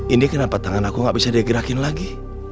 ini kenapa tangan aku gak bisa digerakin lagi